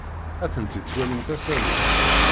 Atenti ttwalint asaru.